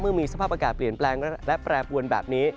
เมื่อมีสภาพอากาศเปลี่ยนแปลงและแปรปวนแบบนี้